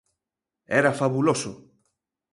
Era fabuloso.